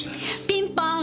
ピンポーン！